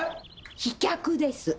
飛脚です。